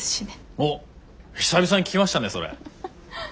おっ久々に聞きましたねそれ。